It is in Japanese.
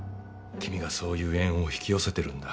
君がそういう縁を引き寄せてるんだ。